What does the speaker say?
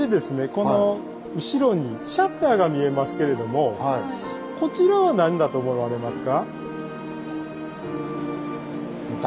この後ろにシャッターが見えますけれどもこちらは何だと思われますか？